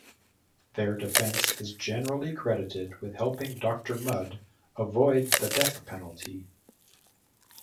Their defense is generally credited with helping Doctor Mudd avoid the death penalty.